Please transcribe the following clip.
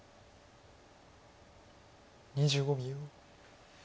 ２５秒。